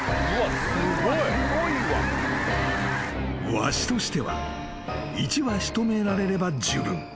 ［ワシとしては一羽仕留められればじゅうぶん］